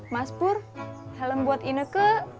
mas pur helm buat ineke